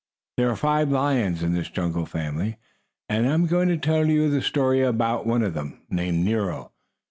There were five lions in this jungle family, and I am going to tell you the story of one of them, named Nero.